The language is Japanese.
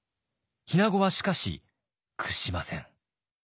日名子はしかし屈しません。